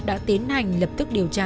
đã tiến hành lập tức điều tra